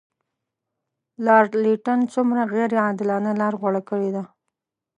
لارډ لیټن څومره غیر عادلانه لار غوره کړې ده.